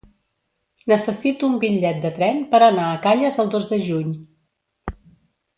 Necessito un bitllet de tren per anar a Calles el dos de juny.